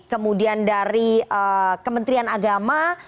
kemudian dari kementerian agama